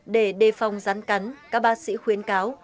để đề phòng rắn cắn các bác sĩ khuyến cáo